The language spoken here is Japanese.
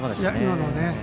今のはね。